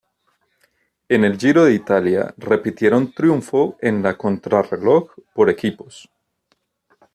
En el Giro de Italia, repitieron triunfo en la contrarreloj por equipos.